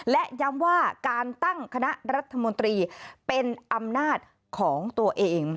และย้ำว่าการตั้งคณะรัฐมนตรีเป็นอำนาจของตัวเอง